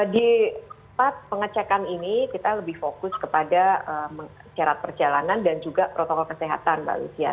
di tempat pengecekan ini kita lebih fokus kepada syarat perjalanan dan juga protokol kesehatan mbak lucia